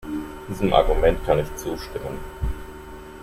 Diesem Argument kann ich zustimmen.